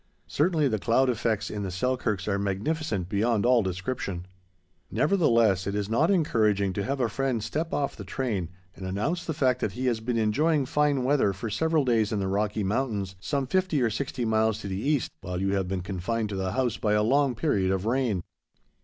Certainly the cloud effects in the Selkirks are magnificent beyond all description. Nevertheless, it is not encouraging to have a friend step off the train and announce the fact that he has been enjoying fine weather for several days in the Rocky Mountains, some fifty or sixty miles to the east, while you have been confined to the house by a long period of rain.